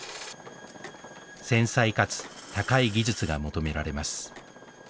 繊細かつ高い技術が求められます